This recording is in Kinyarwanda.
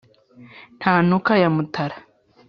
Ntanuka ya Mutara